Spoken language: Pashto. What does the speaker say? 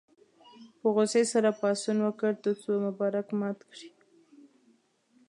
په غوسې سره پاڅون وکړ تر څو مبارک مات کړي.